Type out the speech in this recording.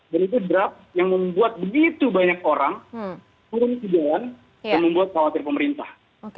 dan itu draft yang membuat begitu banyak orang turun ke jalan dan membuat khawatir pemerintah